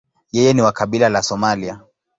Yeye ni wa kabila la Somalia.